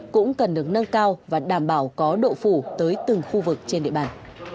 cũng cần được nâng cao và đảm bảo có độ phủ tới từng khu vực trên địa bàn